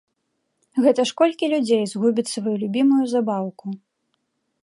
Гэта ж колькі людзей згубяць сваю любімую забаўку!